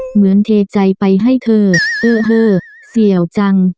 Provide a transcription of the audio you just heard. เหมือนเทใจไปให้เธอเออเสี่ยวจัง